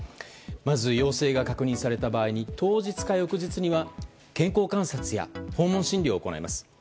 まず陽性が確認された場合当日か翌日には健康観察や訪問診療を行います。